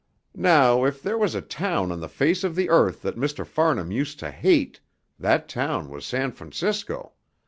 "Now, if there was a town on the face of the earth that Mr. Farnham used to hate, that town was San Francisco.